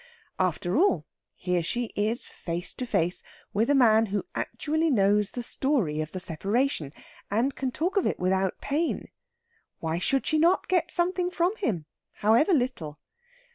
After all, here she is face to face with a man who actually knows the story of the separation, and can talk of it without pain. Why should she not get something from him, however little?